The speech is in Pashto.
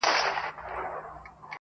خو د کلي دننه درد لا هم ژوندی دی,